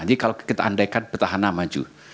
jadi kalau kita andaikan petahana maju